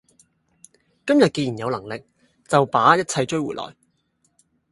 今天既然有能力，就把一切追回來！